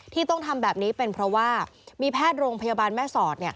ที่ต้องทำแบบนี้เป็นเพราะว่ามีแพทย์โรงพยาบาลแม่สอด